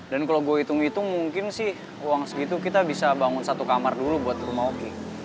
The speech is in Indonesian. dan kalau gue hitung hitung mungkin sih uang segitu kita bisa bangun satu kamar dulu buat rumah oki